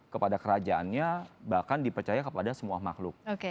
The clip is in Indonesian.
kepada kerajaannya bahkan dipercaya kepada semua makhluk